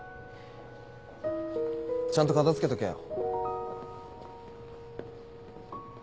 ちゃんと片付けとけよ。